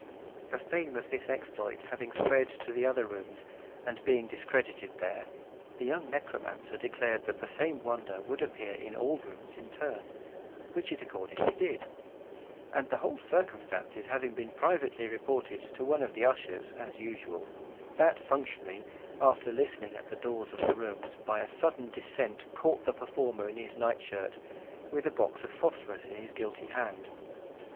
The fame of this exploit having spread to the other rooms, and being discredited there, the young necromancer declared that the same wonder would appear in all the rooms in turn, which it accordingly did; and the whole circumstances having been privately reported to one of the ushers as usual, that functionary, after listening about at the doors of the rooms, by a sudden descent caught the performer in his night shirt, with a box of phosphorus in his guilty hand.